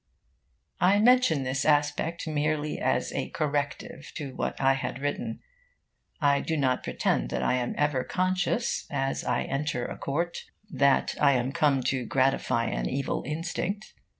I mention this aspect merely as a corrective to what I had written. I do not pretend that I am ever conscious, as I enter a court, that I am come to gratify an evil instinct.